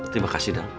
terima kasih dong